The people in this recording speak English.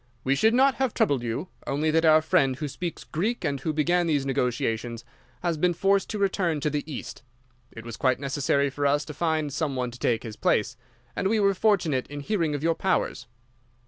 We should not have troubled you, only that our friend who speaks Greek and who began these negotiations has been forced to return to the East. It was quite necessary for us to find some one to take his place, and we were fortunate in hearing of your powers.